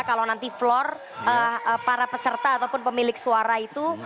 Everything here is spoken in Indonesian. kalau nanti floor para peserta ataupun pemilik suara itu